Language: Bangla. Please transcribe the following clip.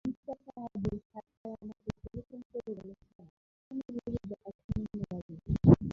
মিনিস্টার সাহেব ভোর সাতটায় আমাকে টেলিফোন করে বলেছেন, আপনার বিরুদ্ধে অ্যাকশান নেবার জন্যে।